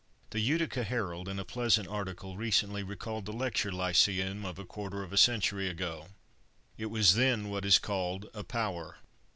The Utica Herald in a pleasant article recently recalled the lecture lyceum of a quarter of a century ago. It was then what is called a power.